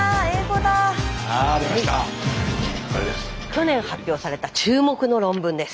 去年発表された注目の論文です。